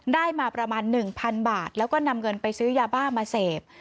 ได้มาประมาณ๑๐๐๐บาทแล้วก็นำเงินไปซื้อยาบ้ามาเสพ